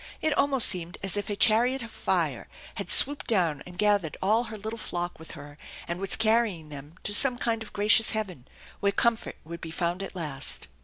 It almost seemed as if a chariot of fire had swooped down and gathered all her little flock with her, and was carrying them tc some kind of gracious heaven where comfort would be found at last.